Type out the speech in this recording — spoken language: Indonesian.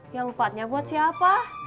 yang empatnya buat siapa